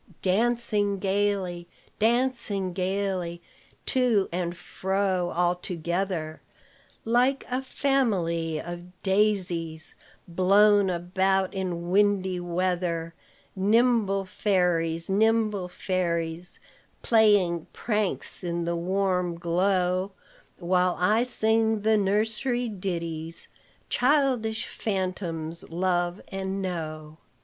"Dancing gayly, dancing gayly, To and fro all together, Like a family of daisies Blown about in windy weather; Nimble fairies, nimble fairies, Playing pranks in the warm glow, While I sing the nursery ditties Childish phantoms love and know.